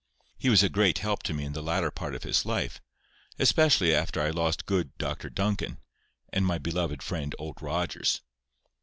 He was a great help to me in the latter part of his life, especially after I lost good Dr Duncan, and my beloved friend Old Rogers.